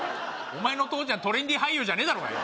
お前の父ちゃんトレンディー俳優じゃねえだろうがよ